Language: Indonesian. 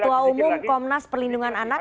ketua umum komnas perlindungan anak